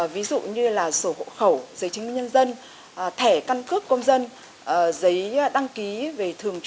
ví dụ như sổ hộ khẩu giấy chính nhân dân thẻ căn cước công dân giấy đăng ký về thường tình